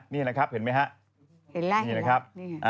นี่นะครับเห็นไหมฮะเห็นแล้วนี่นะครับ